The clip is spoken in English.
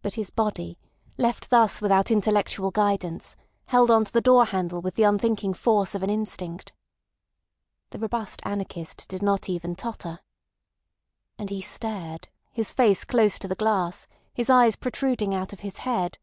But his body, left thus without intellectual guidance, held on to the door handle with the unthinking force of an instinct. The robust anarchist did not even totter. And he stared, his face close to the glass, his eyes protruding out of his head.